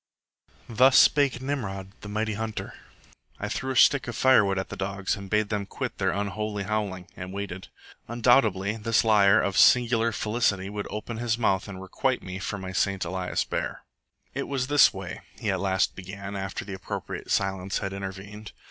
Thus spake Nimrod, the mighty Hunter. I threw a stick of firewood at the dogs and bade them quit their unholy howling, and waited. Undoubtedly this liar of singular felicity would open his mouth and requite me for my St. Elias bear. "It was this way," he at last began, after the appropriate silence had intervened.